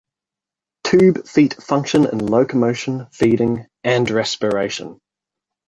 Tube feet function in locomotion, feeding, and respiration.